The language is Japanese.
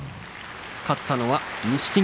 勝ったのは錦木。